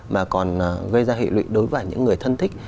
mà còn gây ra hệ lụy đối với những người thân thích